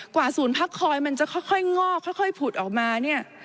ศูนย์พักคอยมันจะค่อยงอกค่อยผุดออกมาเนี่ย